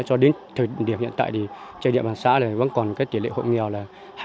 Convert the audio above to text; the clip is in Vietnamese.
cho đến thời điểm hiện tại thì trên địa bàn xã vẫn còn tỷ lệ hộ nghèo là hai mươi sáu một mươi bốn